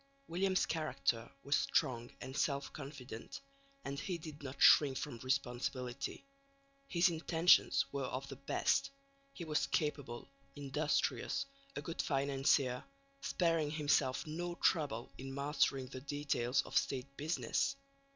William's character was strong and self confident, and he did not shrink from responsibility. His intentions were of the best; he was capable, industrious, a good financier, sparing himself no trouble in mastering the details of State business.